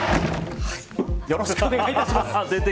よろしくお願いします。